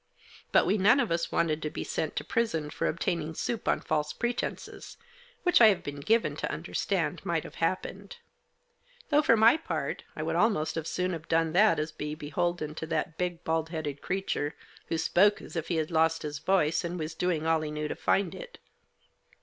But we none of us wanted to be sent to prison for obtaining soup on false pretences, which I have been given to understand might have happened. Though, for my part, I would almost as soon have done that as be beholden to that big, bald headed creature, who spoke as if he had lost his voice, and was doing all he knew to find it.